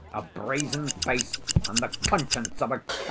"A brazen face, and the conscience of a Karamazov!"